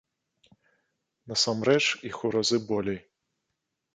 Насамрэч іх у разы болей.